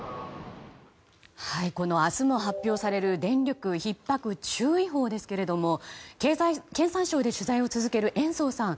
明日も発表される電力需給ひっ迫注意報ですけども経産省で取材を続ける延増さん。